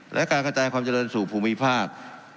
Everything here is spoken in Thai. และการกระจายความเจริญสู่ภูมิภาค